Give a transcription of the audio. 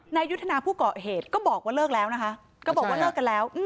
นายยุทธนาผู้เกาะเหตุก็บอกว่าเลิกแล้วนะคะก็บอกว่าเลิกกันแล้ว